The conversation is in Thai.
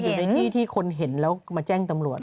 อยู่ในที่ที่คนเห็นแล้วมาแจ้งตำรวจ